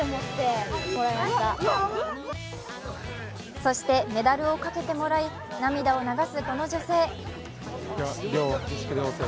そして、メダルをかけてもらい涙を流す、この女性。